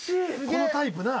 「このタイプな」